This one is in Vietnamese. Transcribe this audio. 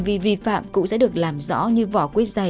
vi vi phạm cũng sẽ được làm rõ như vỏ quyết giày